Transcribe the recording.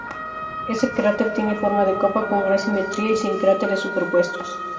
Este cráter tiene forma de copa, con gran simetría, y sin cráteres superpuestos.